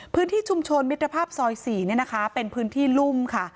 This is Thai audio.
พื้นที่ชุมชนมิตรภาพซอย๔เป็นพื้นที่รุ่มค่ะ